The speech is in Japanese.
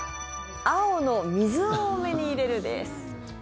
青の、水を多めに入れるです。